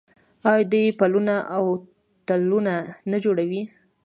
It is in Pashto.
آیا دوی پلونه او تونلونه نه جوړوي؟